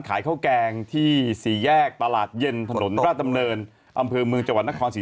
ขายข้าวแกงที่สี่แยกตลาดเย็นถนนราชดำเนินอำเภอเมืองจังหวัดนครศรี